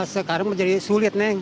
sekarang menjadi sulit